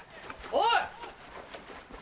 おい！